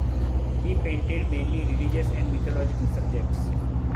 He painted mainly religious and mythological subjects.